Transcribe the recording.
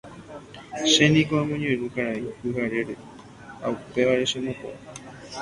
Chéniko añemoirũ karai Pyharére ha upévare chepo'a.